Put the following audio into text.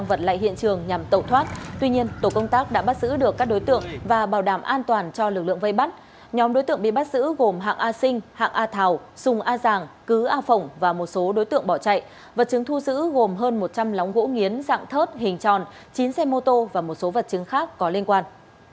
vật chứng thu giữ gồm hơn một trăm linh lóng gỗ nghiến dạng thớt hình tròn chín xe mô tô và một số vật chứng khác có liên quan